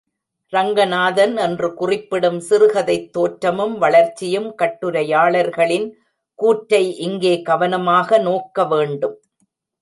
ரங்கநாதன்.. என்று குறிப்பிடும் சிறுகதைத் தோற்றமும் வளர்ச்சியும் கட்டுரையாளர்களின் கூற்றை இங்கே கவனமாக நோக்கவேண்டும்.